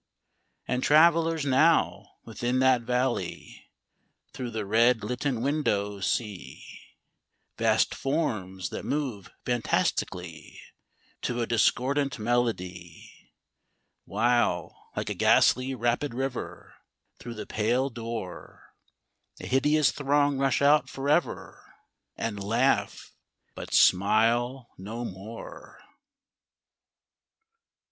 And travellers, now, within that valley, Through the red litten windows see Vast forms, that move fantastically To a discordant melody, While, like a ghastly rapid river, Through the pale door A hideous throng rush out forever And laugh but smile no more.